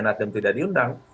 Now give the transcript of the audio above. nasdem tidak diundang